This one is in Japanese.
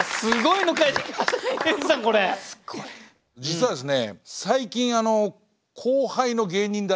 実はですね